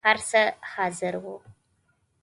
هر څه حاضر وو.